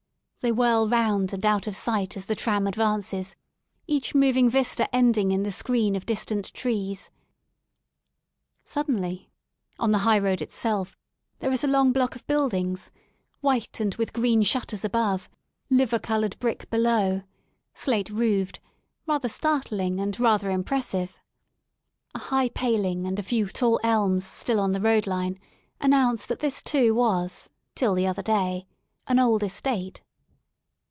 They whirl round and out of sight, as the tram advances, each moving vista ending in the screen of distant trees Suddenly, on the high road itself, there is a long block of buildings, white, and with green shutters above, liver coloured brick below, slate roofed, rather startling and rather impres sive, A high paling and a few tall elms still on the road line, announce that this, too, was, till the other day, an old estate.